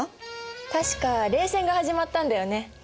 確か冷戦が始まったんだよね？